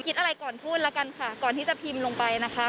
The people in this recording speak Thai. คิดอะไรก่อนพูดแล้วกันค่ะก่อนที่จะพิมพ์ลงไปนะคะ